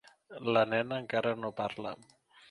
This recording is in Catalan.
La nena encara no parla.